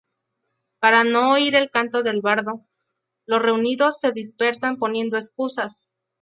Para no oír el canto del bardo, los reunidos se dispersan poniendo excusas.